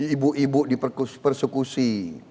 ibu ibu di persekusi